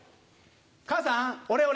母さん俺俺。